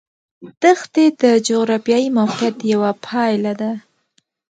دښتې د جغرافیایي موقیعت یوه پایله ده.